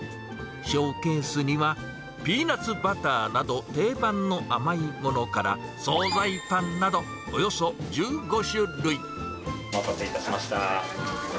ショーケースには、ピーナッツバターなど定番の甘いものから、総菜パンなど、およそお待たせいたしました。